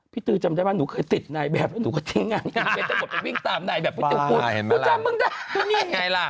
พี่ตือจำได้ว่าหนูเคยติดนายแบบหนูก็ทิ้งงานไง